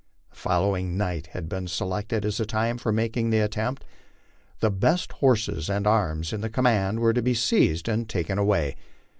The following night had been selected as the time for making the attempt. The best horses and arms in the command were to be seized and taken away.